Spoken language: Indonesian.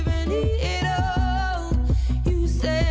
sudah lama ya